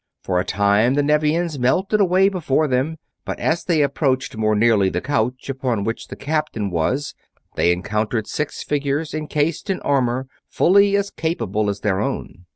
For a time the Nevians melted away before them, but as they approached more nearly the couch upon which the captain was they encountered six figures encased in armor fully as capable as their own.